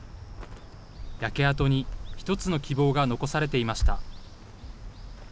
焼け跡に一つの希望が残されていました。